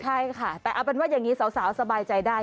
ใช่ค่ะแต่เอาเป็นว่าอย่างนี้สาวสบายใจได้